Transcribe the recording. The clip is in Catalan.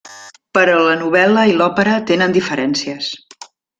Però la novel·la i l'òpera tenen diferències.